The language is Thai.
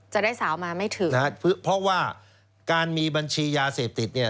จะได้สาวมาไม่ถึงนะฮะเพราะว่าการมีบัญชียาเสพติดเนี่ย